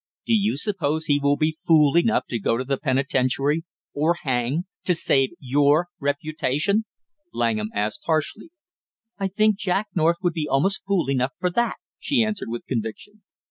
"Do you suppose he will be fool enough to go to the penitentiary, or hang, to save your reputation?" Langham asked harshly. "I think Jack North would be almost fool enough for that," she answered with conviction.